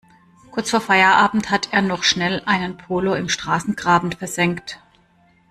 Kurz vor Feierabend hat er noch schnell einen Polo im Straßengraben versenkt.